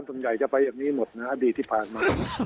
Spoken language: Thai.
ตรงใหญ่จะไปแบบนี้หมดนะอดีตที่ผ่านมา